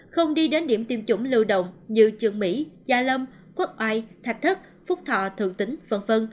không đi đến điểm tiêm chủng lưu động như trường mỹ gia lâm quốc oai thạch thất phúc thọ thượng tính v v